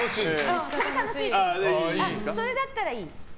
それだったらいい！